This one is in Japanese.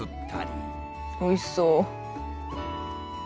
おいしそう。